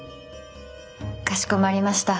かしこまりました。